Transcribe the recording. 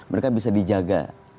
mereka bisa dijaga